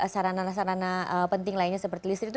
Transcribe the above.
sarana sarana penting lainnya seperti listrik itu